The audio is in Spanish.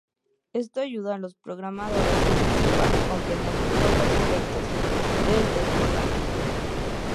Esto ayuda a los programadores anticipar y comprender mejor los efectos del desbordamiento.